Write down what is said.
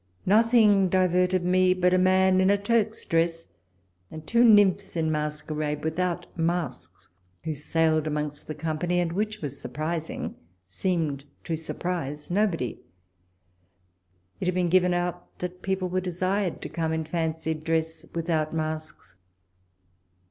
Nothing di verted me but a man in a Turk's dress and two nymphs in masquerade without masks, who sailed amongst the company, and, which was surprising, seemed to surprise nobody. It had been given out that people were desired to come in fancied dregses without masks.